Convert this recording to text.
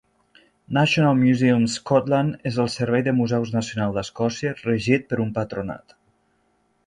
National Museums Scotland és el servei de museus nacional d'Escòcia, regit per un patronat.